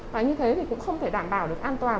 và như thế thì cũng không thể đảm bảo được an toàn